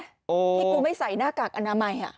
ที่กูไม่ใส่หน้ากากอนามัย